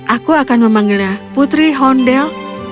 aku akan memanggilnya putri hondel